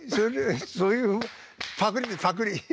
そういうパクりだパクり。